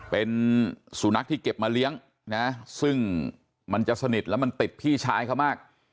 เป็นสุนัขที่เก็บมาเลี้ยงนะซึ่งมันจะสนิทแล้วมันติดพี่ชายเขามาก